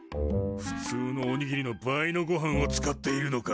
ふつうのおにぎりの倍のごはんを使っているのか。